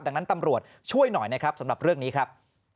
ดังนั้นตำรวจช่วยหน่อยนะครับสำหรับเรื่องนี้ครับ